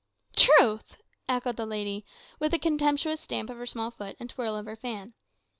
"Truth!" echoed the lady, with a contemptuous stamp of her small foot and twirl of her fan.